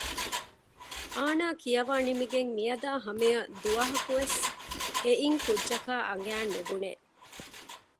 އާނާ ކިޔަވާ ނިމިގެން މިއަދާ ހަމައަށް ދުވަހަކުވެސް އެއިން ކުއްޖަކާ އަނގައިން ނުބުނެ